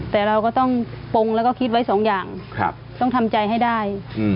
แต่เราก็ต้องปงแล้วก็คิดไว้สองอย่างต้องทำใจให้ได้